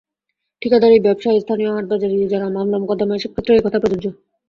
ঠিকাদারি, ব্যবসা, স্থানীয় হাট-বাজারের ইজারা, মামলা-মোকদ্দমা এসব ক্ষেত্রেও একই কথা প্রযোজ্য।